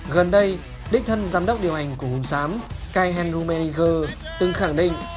gần đây đích thân giám đốc điều hành của hùng xám kai hen rummenigge từng khẳng định